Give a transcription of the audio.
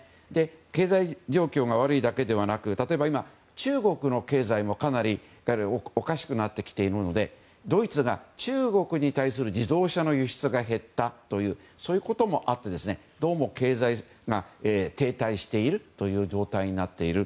経済状況が悪いだけではなくて例えば中国の経済もかなりおかしくなってきているのでドイツが中国に対する自動車の輸出が減ったとそういうこともあってどうも経済が停滞しているという状態になっている。